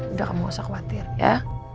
udah kamu gak usah khawatir ya